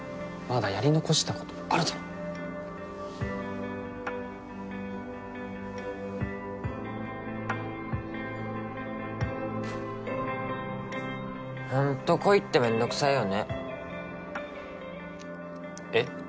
まだやり残したことあるだろ本当恋ってめんどくさいよねえっ？